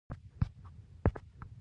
زه د پیرود لپاره کارت کاروم.